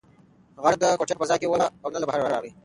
غږ نه د کوټې په فضا کې و او نه له بهره راغی.